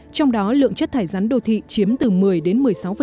trong đó lượng chất thải rắn đô thị chiếm từ một mươi đến một mươi sáu